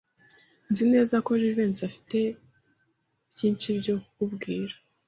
Nzi neza ko Jivency afite byinshi byo kukubwira.